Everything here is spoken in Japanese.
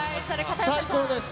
最高です。